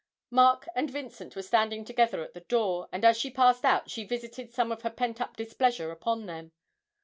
Mark and Vincent were standing together at the door, and as she passed out she visited some of her pent up displeasure upon them.